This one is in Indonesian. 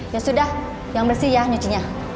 ya sudah yang bersih ya nyucinya